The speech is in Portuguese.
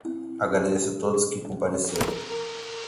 Agradeço a todos que compareceram.